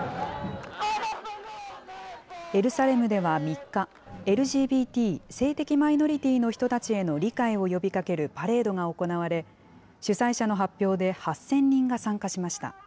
エルサレムでは３日、ＬＧＢＴ・性的マイノリティーの人たちへの理解を呼びかけるパレードが行われ、主催者の発表で８０００人が参加しました。